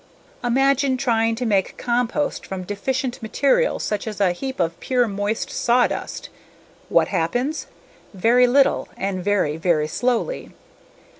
Imagine trying to make compost from deficient materials such as a heap of pure, moist sawdust. What happens? Very little and very, very slowly.